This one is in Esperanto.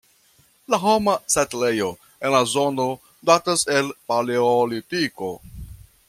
La homa setlejo en la zono datas el paleolitiko.